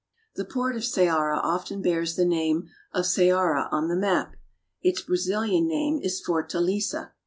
The port of Ceara often bears the name of Ceara on the map. Its Brazilian name is Fortaleza.